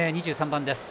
２３番。